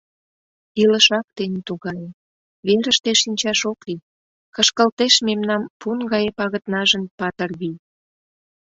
Илышак тений тугае, верыште шинчаш ок лий; кышкылтеш мемнам пун гае пагытнажын патыр вий.